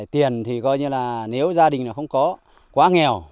tiền thì coi như là nếu gia đình nó không có quá nghèo